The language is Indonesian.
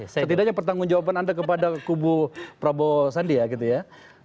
setidaknya pertanggung jawaban anda kepada kubu prabowo sandi ya gitu ya